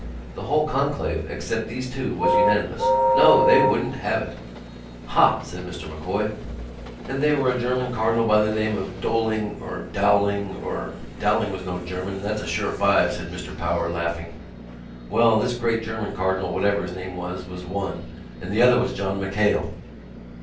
The whole conclave except these two was unanimous. No! They wouldn't have it!" "Ha!" said Mr M'Coy. "And they were a German cardinal by the name of Dolling ... or Dowling ... or——" "Dowling was no German, and that's a sure five," said Mr Power, laughing. "Well, this great German cardinal, whatever his name was, was one; and the other was John MacHale."